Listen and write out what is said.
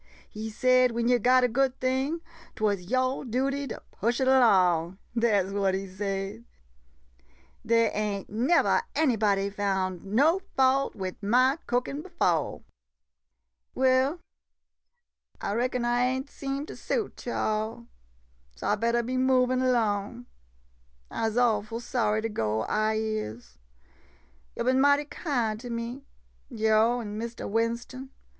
He said when yo' got a good thing — 't was yo' duty to push it 'long. Dat 's what he said. Dey ain't nevah any body foun' no fault wid ma cookin' befo'. Well, I reckon I ain' seem to suit yo' all ■— so I bettah be movin' 'long. I 'se awful sorry to go, I is. Yo' bin mighty kind to me, yo' an' Mistah Winston.